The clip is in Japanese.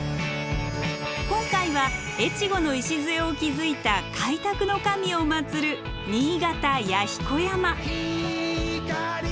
今回は越後の礎を築いた「開拓の神」を祀る新潟弥彦山。